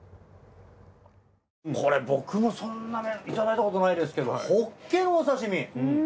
これ僕もそんないただいたことないですけどホッケのお刺身？